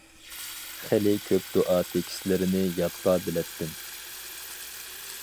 خېلى كۆپ دۇئا تېكىستلىرىنى يادقا بىلەتتىم.